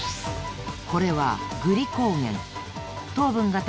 これはグリコーゲン。